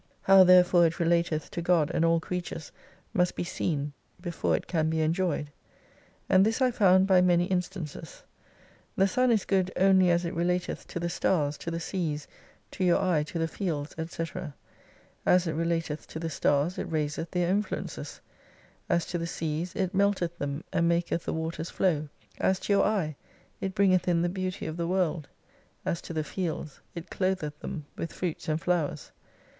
How therefore it relateth to God and all creatures must be seen before it can be enjoyed. And this I found by many instances. The Sun is good, only as it relateth to the stars, to the seas, to your eye, to the fields, &c. As it relateth to the stars it raiseth their influences ; as to the Seas, it melteth them and maketh the waters flow ; as to your eye, it bringeth in the beauty of the world ; as to the fields, it clotheth them with fruits and flowers.